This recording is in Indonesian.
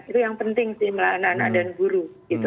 itu yang penting sih anak anak dan guru